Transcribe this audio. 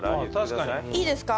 いいですか？